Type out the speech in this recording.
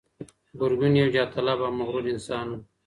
ګرګين يو جاه طلبه او مغرور انسان و.